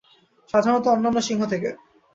সাধারণত অন্যান্য সিংহ থেকে।